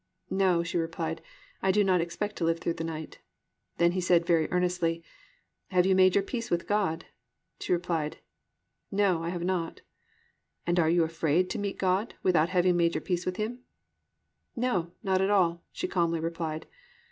"No," she replied, "I do not expect to live through the night." Then he said very earnestly, "Have you made your peace with God?" She replied, "No, I have not." "And are you not afraid to meet God without having made your peace with Him?" "No, not at all," she calmly replied.